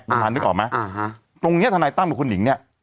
บางทางนึกออกมั้ยตรงนี้ท่านายตั้งกับคุณหญิงเนี่ย